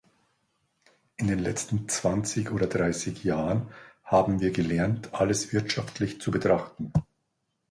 In den letzten zwanzig oder dreißig Jahren haben wir gelernt, alles wirtschaftlich zu betrachten.